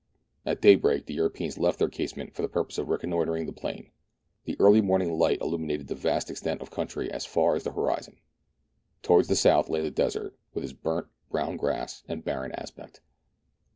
At daybreak the Europeans left their casemate for the purpose of reconnoitring the plain. The early morning light illumined the vast extent of country as far as the horizon. Towards the south lay the desert, with its burnt brown grass and barren aspect.